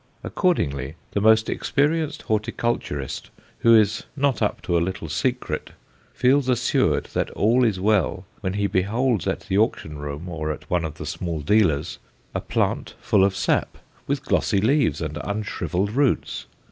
Accordingly, the most experienced horticulturist who is not up to a little secret feels assured that all is well when he beholds at the auction room or at one of the small dealer's a plant full of sap, with glossy leaves and unshrivelled roots.